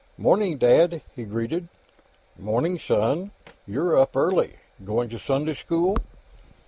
"'Morning, Dad," he greeted. "'Morning, son. You're up early. Going to Sunday school?"